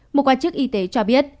một quan chức y tế cho biết